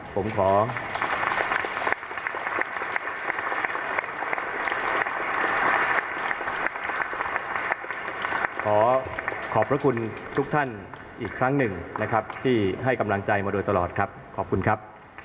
ผมขอขอบพระคุณทุกท่านอีกครั้งหนึ่งนะครับที่ให้กำลังใจมาโดยตลอดครับขอบคุณครับ